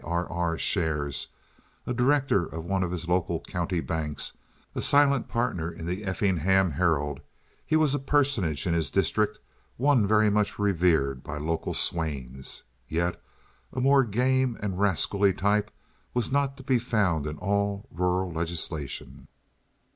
R.R. shares, a director of one of his local county banks, a silent partner in the Effingham Herald, he was a personage in his district, one much revered by local swains. Yet a more game and rascally type was not to be found in all rural legislation.